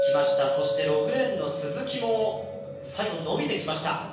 そして６レーンの鈴木も最後伸びてきました